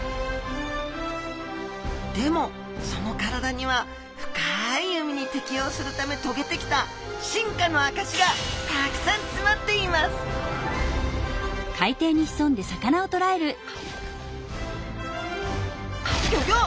でもその体には深い海に適応するためとげてきた進化のあかしがたくさんつまっていますギョギョ！